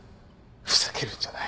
ふざけるんじゃない。